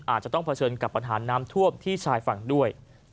อาจจะต้องเผชิญกับปัญหาน้ำท่วมที่ชายฝั่งด้วย